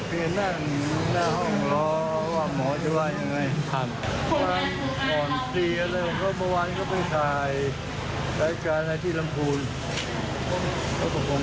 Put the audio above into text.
แต่ตอนนี้อาการก็ยังอยู่ได้ค่อนข้าง